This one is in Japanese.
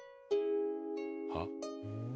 はっ？